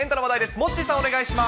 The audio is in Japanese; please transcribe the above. モッチーさん、お願いしまーす。